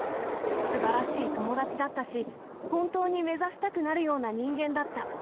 すばらしい友達だったし、本当に目指したくなるような人間だった。